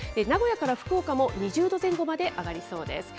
名古屋から福岡も２０度前後まで上がりそうです。